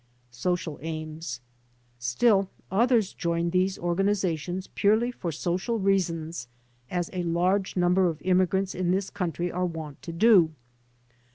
Social Aims Still others joined these organizations purely for social reasons as a large number of immigrants in tiiis country are wont to do.